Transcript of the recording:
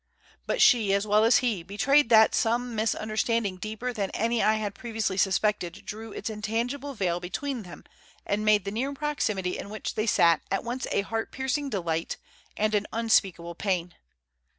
But she, as well as he, betrayed that some misunderstanding deeper than any I had previously suspected drew its intangible veil between them and made the near proximity in which they sat at once a heart piercing delight and an unspeakable pain.